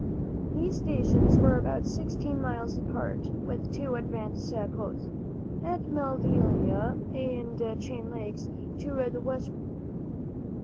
These stations were about sixteen miles apart, with two advanced posts, at Madelia and Chain Lakes, to the westward.